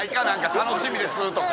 楽しみですとか。